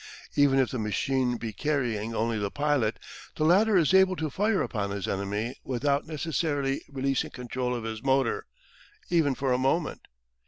Even if the machine be carrying only the pilot, the latter is able to fire upon his enemy without necessarily releasing control of his motor, even for a moment.